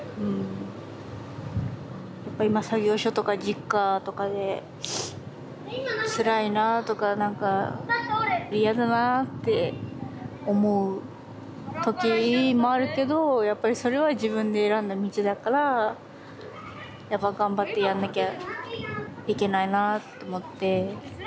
やっぱり今作業所とかＪｉｋｋａとかでつらいなあとか何か嫌だなあって思う時もあるけどやっぱりそれは自分で選んだ道だからやっぱ頑張ってやんなきゃいけないなあと思って。